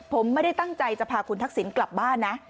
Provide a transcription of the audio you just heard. ผมไม่ได้ตั้งใจจะพาคุณทักษิณกลับบ้านนะ